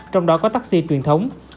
trong đó có taxi truyền thống